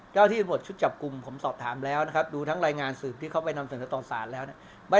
ก็ที่บทชุดจับกลุ่มผมสอบถามแล้วนะครับดูทั้งรายงานสืบที่เข้าไปนำสัญลักษณะตอนศาลแล้วเนี่ย